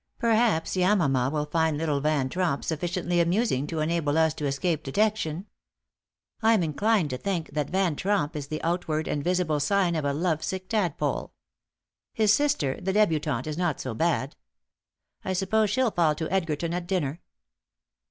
Perhaps Yamama will find little Van Tromp sufficiently amusing to enable us to escape detection. I'm inclined to think that Van Tromp is the outward and visible sign of a love sick tadpole. His sister, the débutante, is not so bad. I suppose she'll fall to Edgerton at dinner?"